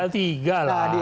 kita tinggal tiga lah